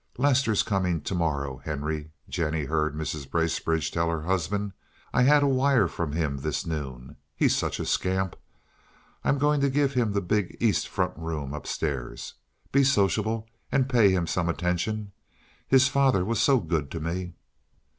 "Lester's coming to morrow, Henry," Jennie heard Mrs. Bracebridge tell her husband. "I had a wire from him this noon. He's such a scamp. I'm going to give him the big east front room up stairs. Be sociable and pay him some attention. His father was so good to me."